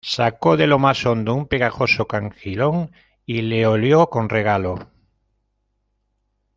sacó de lo más hondo un pegajoso cangilón, y le olió con regalo: